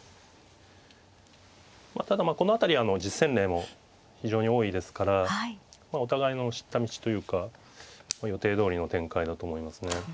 ただまあこの辺り実戦例も非常に多いですからお互いの知った道というか予定どおりの展開だと思いますね。